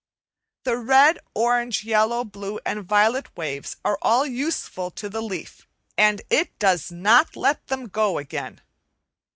The red, orange, yellow, blue, and violet waves are all useful to the leaf, and it does not let them go again.